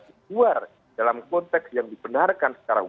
keluar dalam konteks yang dibenarkan secara umum